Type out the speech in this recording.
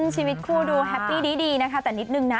ชีวิตคู่ดูแฮปปี้ดีนะคะแต่นิดนึงนะ